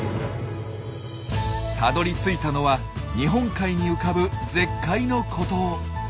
たどりついたのは日本海に浮かぶ絶海の孤島。